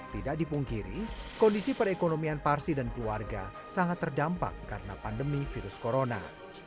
tidak dipungkiri kondisi perekonomian parsi dan keluarga sangat terdampak karena pandemi virus corona